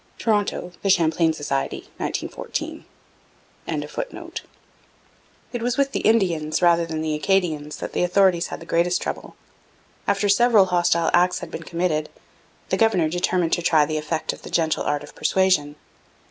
(Toronto: The Champlain Society, 1914.)] It was with the Indians, rather than with the Acadians, that the authorities had the greatest trouble. After several hostile acts had been committed, the governor determined to try the effect of the gentle art of persuasion.